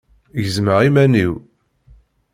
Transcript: Gezmeɣ iman-iw.